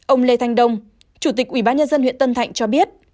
ông lê thanh đông chủ tịch ubnd huyện tân thạnh cho biết